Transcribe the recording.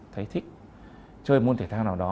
thấy thích chơi môn thể thao nào đó